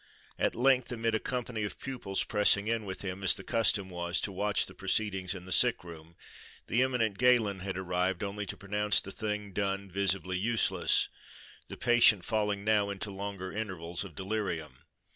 At length, amid a company of pupils pressing in with him, as the custom was, to watch the proceedings in the sick room, the eminent Galen had arrived, only to pronounce the thing done visibly useless, the patient falling now into longer intervals of delirium.